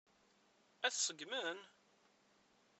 Ad t-seggmen?